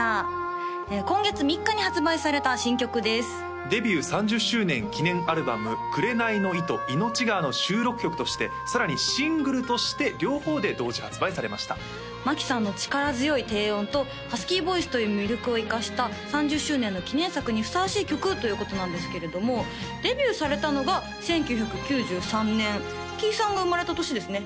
今月３日に発売された新曲です「デビュー３０周年記念アルバム」「くれないの糸・いのち川」の収録曲としてさらにシングルとして両方で同時発売されました真木さんの力強い低音とハスキーボイスという魅力を生かした３０周年の記念作にふさわしい曲ということなんですけれどもデビューされたのが１９９３年キイさんが生まれた年ですね